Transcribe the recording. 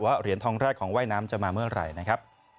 เหรียญทองแรกของว่ายน้ำจะมาเมื่อไหร่นะครับ